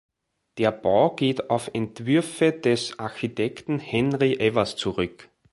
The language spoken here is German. Der Bau geht auf Entwürfe des Architekten Henri Evers zurück.